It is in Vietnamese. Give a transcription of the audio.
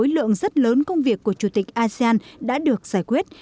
lớn công việc của chủ tịch asean đã được giải quyết